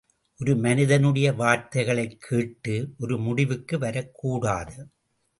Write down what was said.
ஒரு மனிதனுடைய வார்த்தைகளைக் கேட்டு ஒரு முடிவுக்கு வரக்கூடாது.